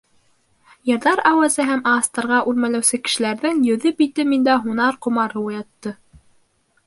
«Йыр»ҙар ауазы һәм ағастарға үрмәләүсе кешеләрҙең йөҙө-бите миндә һунар ҡомары уятты.